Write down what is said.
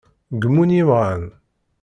Gemmun yemɣan.